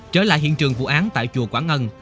trở lại hiện trường vụ án tại chùa quảng ngân